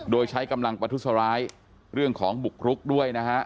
โดยใช้กำลังประทุษร้ายเรื่องของบุกรุกด้วยนะฮะ